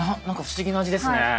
なんか不思議な味ですね。